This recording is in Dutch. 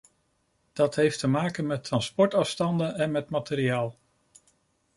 Dat heeft te maken met transportafstanden en met materiaal.